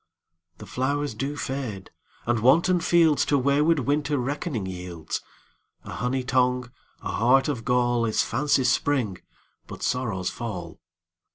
The flowers do fade, and wanton fieldsTo wayward Winter reckoning yields:A honey tongue, a heart of gall, Is fancy's spring, but sorrow's fall.